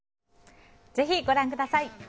ぜひご覧ください。